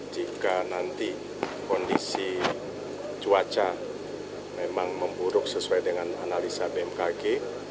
jika nanti kondisi cuaca memang memburuk sesuai dengan analisa bmkg